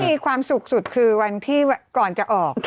มีความสุขสุดคือวันที่ก่อนจะออก